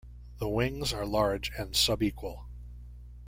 The wings are large and subequal.